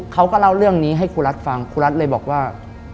เขาก็เล่าเรื่องนี้ให้ครูรัฐฟังครูรัฐเลยบอกว่า